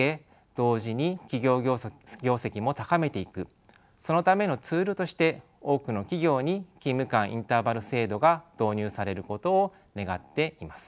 同時に企業業績も高めていくそのためのツールとして多くの企業に勤務間インターバル制度が導入されることを願っています。